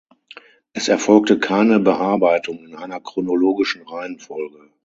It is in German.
Es erfolgte keine Bearbeitung in einer chronologischen Reihenfolge.